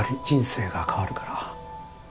人生が変わるから